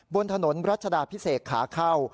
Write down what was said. บนถนนรัชดาพิเศษขาเข้า